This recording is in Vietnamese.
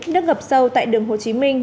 nước ngập sâu tại đường hồ chí minh